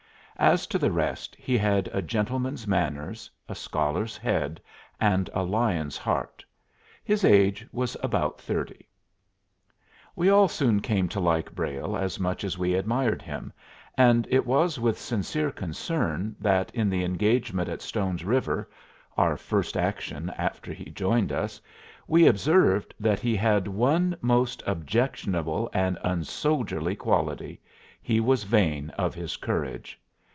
As to the rest, he had a gentleman's manners, a scholar's head, and a lion's heart. His age was about thirty. We all soon came to like Brayle as much as we admired him, and it was with sincere concern that in the engagement at Stone's River our first action after he joined us we observed that he had one most objectionable and unsoldierly quality: he was vain of his courage.